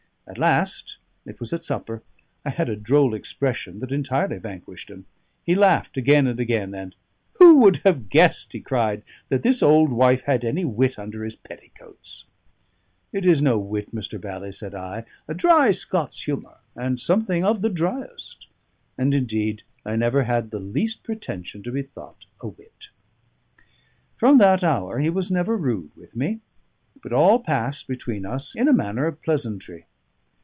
At last (it was at supper) I had a droll expression that entirely vanquished him. He laughed again and again; and "Who would have guessed," he cried, "that this old wife had any wit under his petticoats?" "It is no wit, Mr. Bally," said I: "a dry Scots humour, and something of the driest." And, indeed, I never had the least pretension to be thought a wit. From that hour he was never rude with me, but all passed between us in a manner of pleasantry.